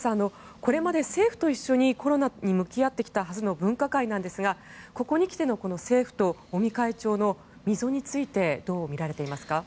これまで政府と一緒にコロナに向き合ってきたはずの分科会ですがここに来ての政府と尾身会長の溝についてどう見られていますか？